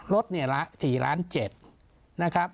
รถ๔๗๐๐๐๐๐นะครับ